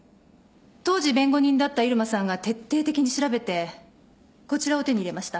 当時弁護人だった入間さんが徹底的に調べてこちらを手に入れました。